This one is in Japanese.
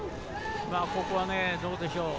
ここは、どうでしょう。